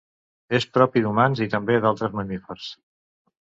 És propi d'humans i també d'altres mamífers.